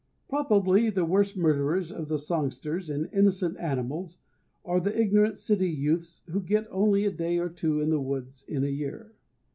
Probably the worst murderers of songsters and innocent animals are the ignorant city youths who get only a day or two in the woods in a year.